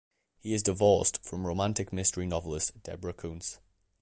He is divorced from romantic mystery novelist Deborah Coonts.